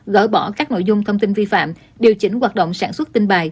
gỡ bỏ các nội dung thông tin vi phạm điều chỉnh hoạt động sản xuất tin bài